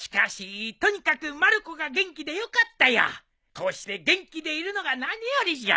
こうして元気でいるのが何よりじゃ。